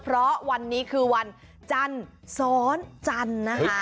เพราะวันนี้คือวันจันทร์ซ้อนจันทร์นะคะ